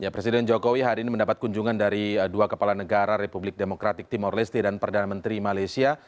presiden jokowi hari ini mendapat kunjungan dari dua kepala negara republik demokratik timur leste dan perdana menteri malaysia